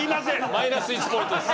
マイナス１ポイントです。